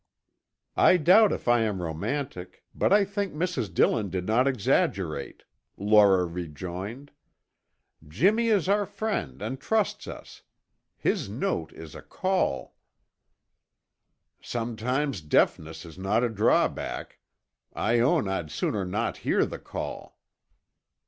"I doubt if I am romantic, but I think Mrs. Dillon did not exaggerate," Laura rejoined. "Jimmy is our friend and trusts us. His note is a call." "Sometimes deafness is not a drawback. I own I'd sooner not hear the call."